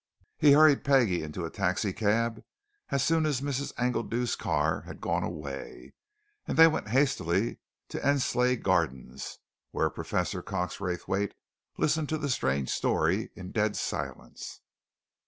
He hurried Peggie into a taxi cab as soon as Mrs. Engledew's car had gone away, and they went hastily to Endsleigh Gardens, where Professor Cox Raythwaite listened to the strange story in dead silence.